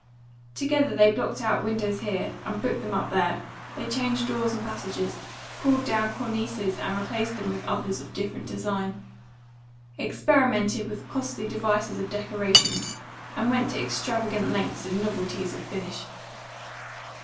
Together they blocked out windows here, and bricked them up there; they changed doors and passages; pulled down cornices and replaced them with others of different design; experimented with costly devices of decoration, and went to extravagant lengths in novelties of finish.